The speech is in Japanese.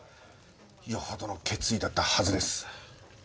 よほどの決意だったはずです。